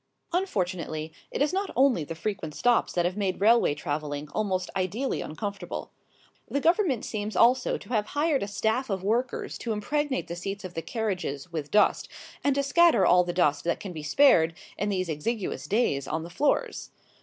Unfortunately, it is not only the frequent stops that have made railway travelling almost ideally uncomfortable. The Government seems also to have hired a staff of workers to impregnate the seats of the carriages with dust and to scatter all the dust that can be spared in these exiguous days on the floors.